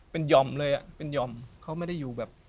เป็นหย่อมเลยอ่ะเป็นหย่อมเขาไม่ได้อยู่แบบ